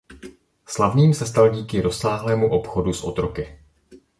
Slavným se stal díky rozsáhlému obchodu s otroky.